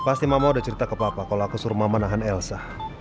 pasti mama udah cerita ke papa kalau aku suruh mama menahan elsa